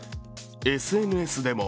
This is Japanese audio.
ＳＮＳでも